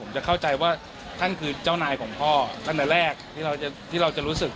ผมจะเข้าใจว่าท่านคือเจ้านายของพ่อตั้งแต่แรกที่เราจะรู้สึก